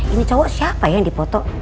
ini cowok siapa yang dipoto